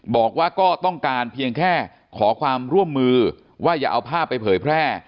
บอกว่าก็ต้องการเพียงแค่ขอความร่วมมือว่าอย่าเอาภาพไปเผยแพร่